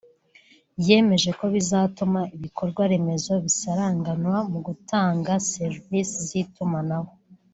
yemeje ko bizatuma ibikorwa remezo bisaranganywa mu batanga serivisi z’itumanaho